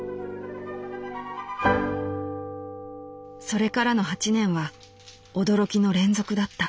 「それからの八年は驚きの連続だった。